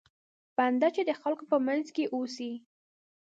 بنده چې د خلکو په منځ کې اوسي.